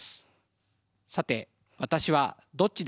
さて私はどっちでしょう？